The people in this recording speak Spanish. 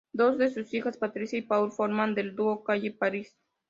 Dos de sus hijos, Patricia y Paúl, forman el dúo Calle París.